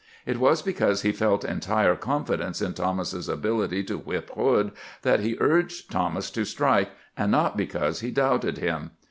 It was because he felt entire confidence in Thomas's ability to whip Hood that he urged Thomas to strike, and not because he doubted him.